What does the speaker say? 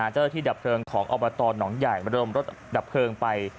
เจ้าหน้าที่ดับเพลิงของอบตหนองใหญ่มาเริ่มรถดับเพลิงไป